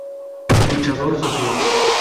Luchador Social.